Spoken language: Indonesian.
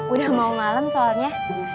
udah mau malam soalnya